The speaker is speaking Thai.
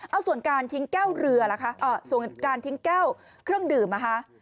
เอาส่วนการทิ้งแก้วเรือล่ะคะส่วนการทิ้งแก้วเครื่องดื่มนะคะ